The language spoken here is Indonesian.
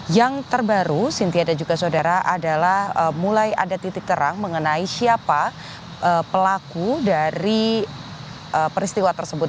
yang terbaru cynthia dan juga saudara adalah mulai ada titik terang mengenai siapa pelaku dari peristiwa tersebut